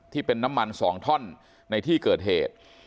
ที่เป็นน้ำมัน๒ท่อนในที่เกิดเหตุ